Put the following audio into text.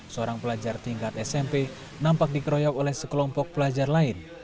seorang pelajar tingkat smp nampak dikeroyok oleh sekelompok pelajar lain